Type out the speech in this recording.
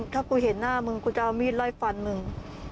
ถ้ากูเห็นหน้ามึงกูจะเอามีดไล่ฟันมึง